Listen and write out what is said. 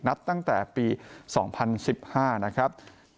นับตั้งแต่ปี๒๐๑๕นะครับ